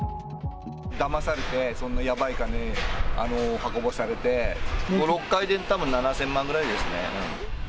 だまされてそんなやばい金運ばされて、５、６回でたぶん７０００万ぐらいですね。